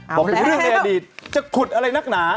เป็นเรื่องในอดีตจะขุดอะไรนักหนา